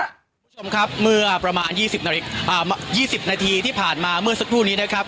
คุณผู้ชมครับเมื่อประมาณ๒๐นาทีที่ผ่านมาเมื่อสักครู่นี้นะครับ